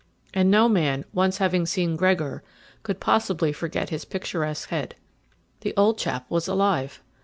And no man, once having seen Gregor, could possibly forget his picturesque head. The old chap was alive!